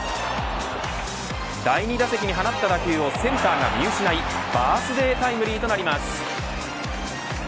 第２打席に放った打球をセンターが見失いバースデータイムリーとなります。